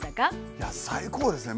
いや最高ですね。